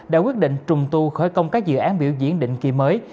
đã quyết định trùng tu khởi công các dự án biểu diễn định kỳ mới